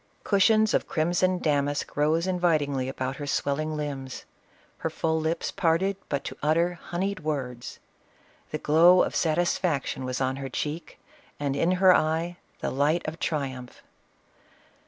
Cushions of crimson damask rose invitingly about her swelling limbs. Her full lips parted but to utter honeyed words. The glow of satisfaction was on her cheek, and in her eye the light of triumph.